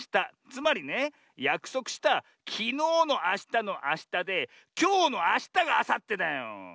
つまりねやくそくしたきのうのあしたのあしたできょうのあしたがあさってだよ。